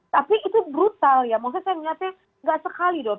tapi itu brutal ya maksudnya saya melihatnya nggak sekali dong